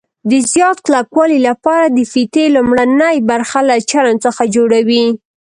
د زیات کلکوالي لپاره د فیتې لومړنۍ برخه له چرم څخه جوړوي.